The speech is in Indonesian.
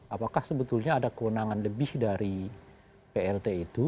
apakah sebetulnya ada kewenangan lebih dari plt itu